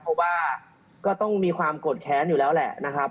เพราะว่าก็ต้องมีความโกรธแค้นอยู่แล้วแหละนะครับ